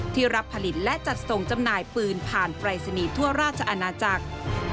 รับผลิตและจัดส่งจำหน่ายปืนผ่านปรายศนีย์ทั่วราชอาณาจักร